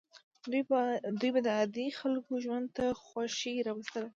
دوی به د عادي خلکو ژوند ته خوښي راوستله.